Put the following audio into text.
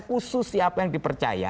khusus siapa yang dipercaya